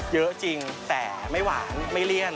เยอะจริงแต่ไม่หวานไม่เลี่ยน